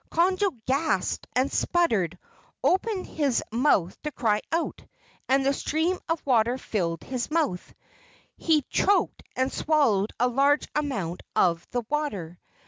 Conjo gasped and sputtered, opened his mouth to cry out, and the stream of water filled his mouth. He choked and swallowed a large amount of the water.